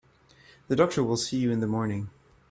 The doctor will see you in the morning.